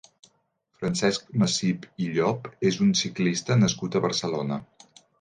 Francesc Massip i Llop és un ciclista nascut a Barcelona.